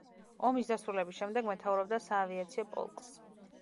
ომის დასრულების შემდეგ მეთაურობდა საავიაციო პოლკს.